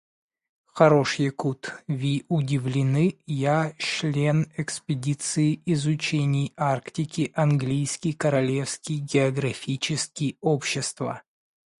Хорош якут. Ви удивлены? Я чшлен экспедиции изучений Арктики Английски королевски географически общества.